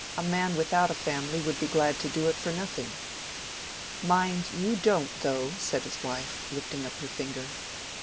A man without a family would be glad to do it for nothing." "Mind you don't, though," said his wife, lifting up her finger.